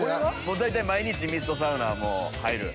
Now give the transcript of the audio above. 大体毎日ミストサウナ入る？